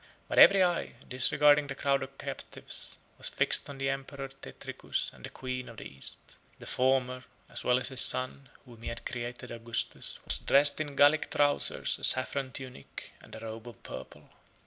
78 But every eye, disregarding the crowd of captives, was fixed on the emperor Tetricus and the queen of the East. The former, as well as his son, whom he had created Augustus, was dressed in Gallic trousers, 79 a saffron tunic, and a robe of purple.